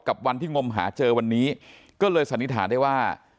กับวันที่งมหาเจอวันนี้ก็เลยสันนิษฐานได้ว่า